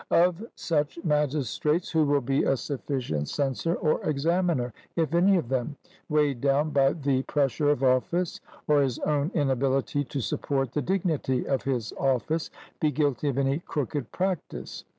Of such magistrates, who will be a sufficient censor or examiner, if any of them, weighed down by the pressure of office or his own inability to support the dignity of his office, be guilty of any crooked practice?